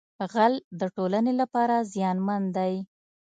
غل د ټولنې لپاره زیانمن دی